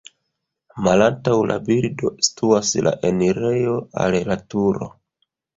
Malantaŭ la bildo situas la enirejo al la turo.